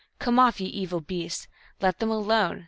Come off, ye evil beasts.! Let them alone